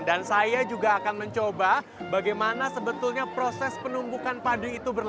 dan saya juga akan mencoba bagaimana sebetulnya proses penumbukan padi itu berlaku